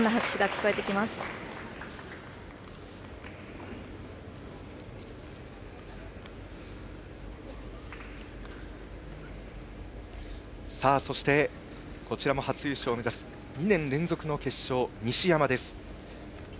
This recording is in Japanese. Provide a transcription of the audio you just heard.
こちらも初優勝を目指す２年連続の決勝、西山です。